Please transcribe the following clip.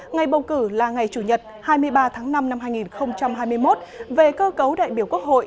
ngày bầu cử là ngày chủ nhật hai mươi ba tháng năm năm hai nghìn hai mươi một về cơ cấu đại biểu quốc hội